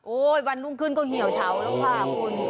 วันรุ่งขึ้นก็เหี่ยวเฉาแล้วค่ะคุณ